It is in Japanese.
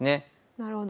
なるほど。